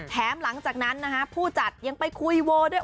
หลังจากนั้นนะฮะผู้จัดยังไปคุยโวด้วย